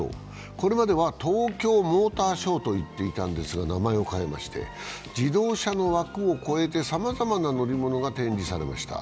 これまでは東京モーターショーと言っていたんですが、名前を変えまして自動車の枠を超えてさまざまな乗り物が展示されました。